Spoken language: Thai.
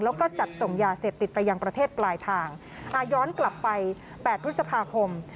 แล้วก็จัดส่งยาเสพติดไปยังประเทศปลายทางย้อนกลับไป๘พฤษภาคม